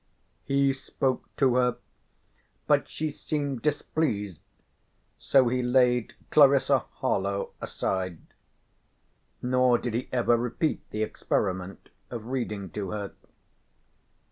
He spoke to her, but she seemed displeased, so he laid "Clarissa Harlowe" aside. Nor did he ever repeat the experiment of reading to her.